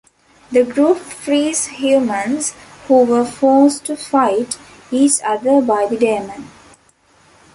The group frees humans, who were forced to fight each other by the demon.